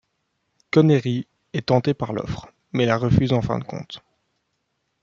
Connery est tenté par l'offre, mais la refuse en fin de compte.